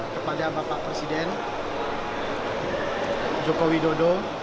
kepada bapak presiden joko widodo